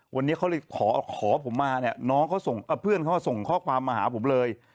วันนี้เขาเลยขอผมมาเนี่ยน้องเขาส่งเพื่อนเขาส่งข้อความมาหาผมเลย